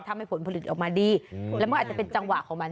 ผลผลิตออกมาดีแล้วมันอาจจะเป็นจังหวะของมัน